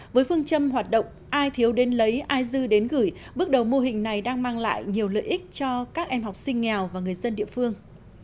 với phương châm hoạt động ai thiếu đến lấy ai dư đến gửi bước đầu mô hình này đang mang lại nhiều lợi ích cho các em học sinh nghèo và người dân địa phương